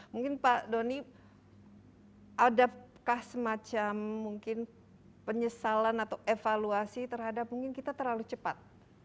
mungkin pak doni adakah semacam mungkin penyesalan atau evaluasi terhadap mungkin kita terlalu cepat